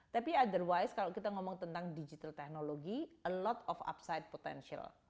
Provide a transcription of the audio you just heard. tapi otherwise kalau kita ngomong tentang digital technology a lot of upside potential